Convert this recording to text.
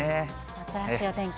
夏らしいお天気。